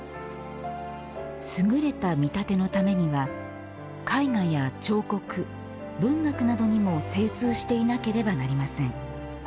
優れた見立てのためには絵画や彫刻、文学などにも精通していなければなりません。